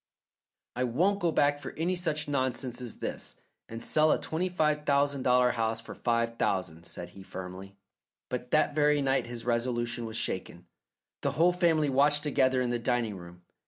"I won't go back for any such nonsense as this, and sell a twenty five thousand dollar house for five thousand," said he firmly. But that very night his resolution was shaken. The whole family watched together in the dining room.